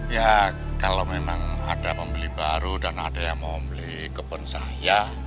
ya kalau memang ada pembeli baru dan ada yang mau membeli kebun saya